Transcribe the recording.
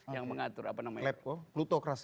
yang mengatur apa namanya